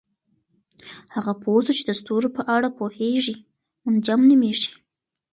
هغه پوه چې د ستورو په اړه پوهیږي منجم نومیږي.